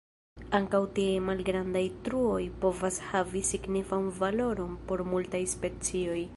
Ankaŭ tiaj malgrandaj truoj povas havi signifan valoron por multaj specioj.